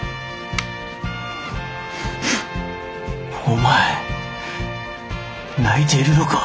お前泣いているのか？